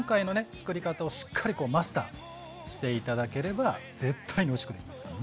つくり方をしっかりマスターして頂ければ絶対においしくできますから。